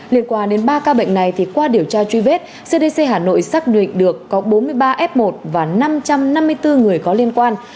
liên quan đến ba ca bệnh này thì qua điều tra truy vết cdc hà nội xác định được có bốn mươi ba f một và năm trăm năm mươi bốn người có liên quan